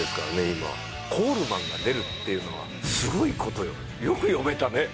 今コールマンが出るっていうのはすごいことよ